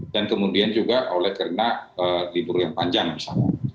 dan kemudian juga oleh karena liburan panjang misalnya